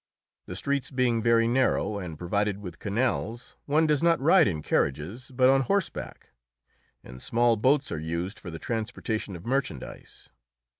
The streets being very narrow and provided with canals, one does not ride in carriages, but on horseback, and small boats are used for the transportation of merchandise.